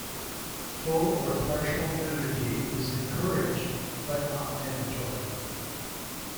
Full or partial nudity is encouraged, but not mandatory.